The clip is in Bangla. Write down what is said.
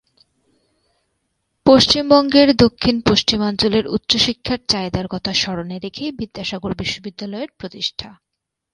পশ্চিমবঙ্গের দক্ষিণ-পশ্চিমাঞ্চলের উচ্চশিক্ষার চাহিদার কথা স্মরণে রেখেই বিদ্যাসাগর বিশ্ববিদ্যালয়ের প্রতিষ্ঠা।